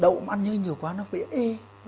đậu mà ăn nhiều quá nó bị ê